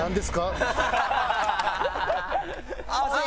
ああ！